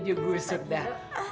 uju gusuk dah